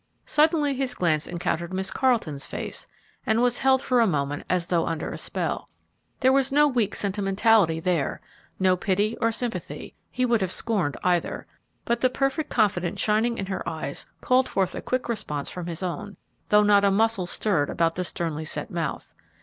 Suddenly his glance encountered Miss Carleton's face and was held for a moment as though under a spell. There was no weak sentimentality there, no pity or sympathy, he would have scorned either, but the perfect confidence shining in her eyes called forth a quick response from his own, though not a muscle stirred about the sternly set mouth.